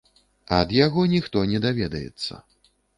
Ад яго ніхто не даведаецца.